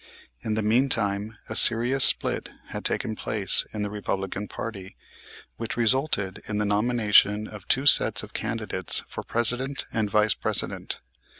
In the meantime a serious split had taken place in the Republican party which resulted in the nomination of two sets of candidates for President and Vice President.